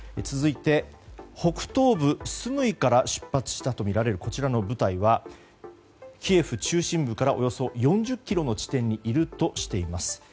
続いて、北東部スムイから出発したとみられるこちらの部隊はキエフ中心部からおよそ４０ｋｍの地点にいるとしています。